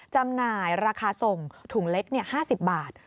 จำหน่ายราคาส่งถุงเล็ก๕๐บาท